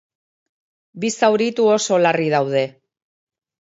Bi zauritu oso larri daude.